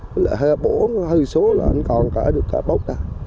với lại hơi bổ hơi số là anh còn cả được cả bốn trăm linh